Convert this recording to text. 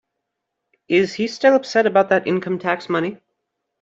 Is he still upset about that income-tax money?